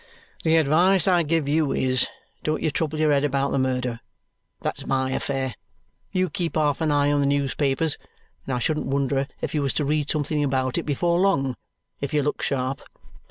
"The advice I give you is, don't you trouble your head about the murder. That's my affair. You keep half an eye on the newspapers, and I shouldn't wonder if you was to read something about it before long, if you look sharp.